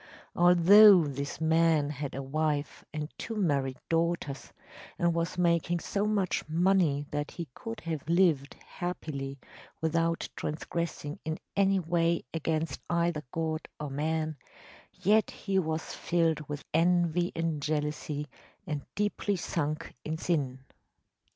Although this man had a wife and two married daughters, and was making so much money that he could have lived happily without transgressing in any way against either God or man, yet he was filled with envy and jealousy and deeply sunk in sin.